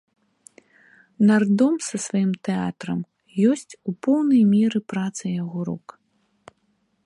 Нардом са сваім тэатрам ёсць у поўнай меры праца яго рук.